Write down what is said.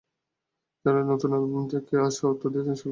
জানালেন, নতুন অ্যালবাম থেকে আসা অর্থ দিয়ে তিনি স্কুলকে দাঁড় করাবেন।